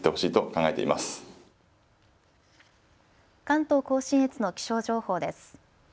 関東甲信越の気象情報です。